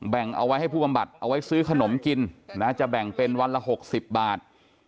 เอาไว้ให้ผู้บำบัดเอาไว้ซื้อขนมกินนะจะแบ่งเป็นวันละ๖๐บาท